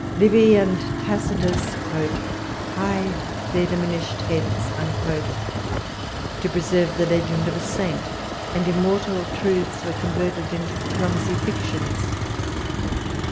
Livy and Tacitus "hide their diminished heads" to preserve the legend of a saint, and immortal truths were converted into clumsy fictions.